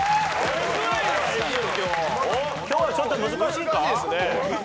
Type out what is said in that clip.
今日はちょっと難しいか？